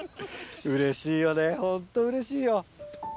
うれしいよねホントうれしいよ。